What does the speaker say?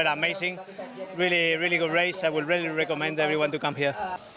rute yang sangat bagus saya sangat rekomendasikan kepada semua orang untuk datang ke sini